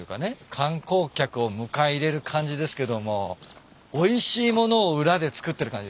観光客を迎え入れる感じですけどもおいしい物を裏で作ってる感じですか？